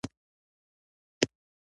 زه یې جزئیات لازم نه بولم.